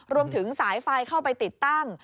รวมถึงสายไฟเข้าไปติดตั้ง